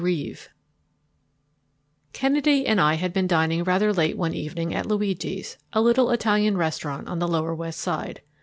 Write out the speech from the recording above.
REEVE[A] Kennedy and I had been dining rather late one evening at Luigi's, a little Italian restaurant on the lower West Side.